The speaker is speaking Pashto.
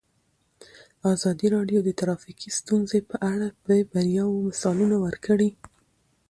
ازادي راډیو د ټرافیکي ستونزې په اړه د بریاوو مثالونه ورکړي.